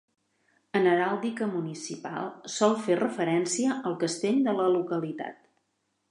En heràldica municipal sol fer referència al castell de la localitat.